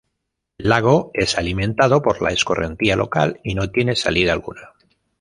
El lago es alimentado por la escorrentía local, y no tiene salida alguna.